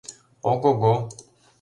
Ого-го...